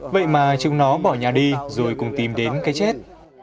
vậy mà chúng nó bỏ nhà đi rồi cùng tìm đến cái chết